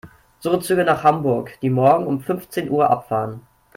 Suche Züge nach Hamburg, die morgen um fünfzehn Uhr abfahren.